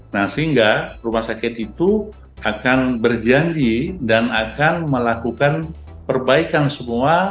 nah sehingga rumah sakit itu akan berjanji dan akan melakukan perbaikan semua